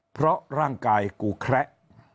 เพราะร่างกายกูแคระ